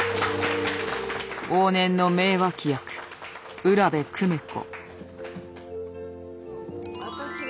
往年の名脇役浦辺粂子。